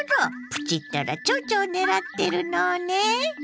プチったらちょうちょを狙ってるのね。